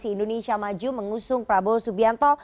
koalisi indonesia maju mengusung prabowo subianto